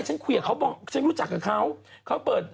ก็ฉันคุยกับเขาบอกฉันรู้จักกับเขา